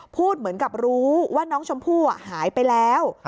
พูดเหมือนกับรู้ว่าน้องชมพู่หายไปแล้ว